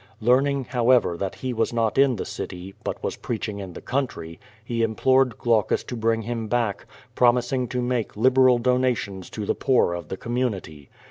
Learning, however, that he was not in the city, but was preaching in the country, he implored Glaucus to bring him back, promising to make liberal donations to the poor of the community.